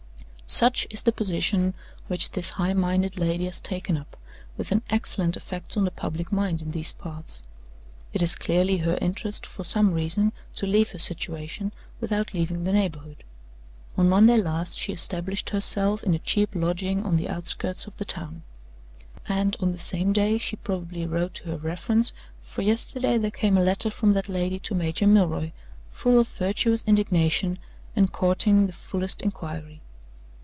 "Such is the position which this high minded lady has taken up, with an excellent effect on the public mind in these parts. It is clearly her interest, for some reason, to leave her situation, without leaving the neighborhood. On Monday last she established herself in a cheap lodging on the outskirts of the town. And on the same day she probably wrote to her reference, for yesterday there came a letter from that lady to Major Milroy, full of virtuous indignation, and courting the fullest inquiry.